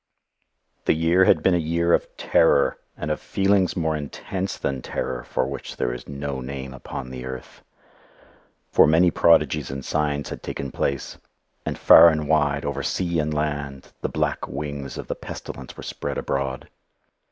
The year had been a year of terror, and of feeling more intense than terror for which there is no name upon the earth. For many prodigies and signs had taken place, and far and wide, over sea and land, the black wings of the Pestilence were spread abroad.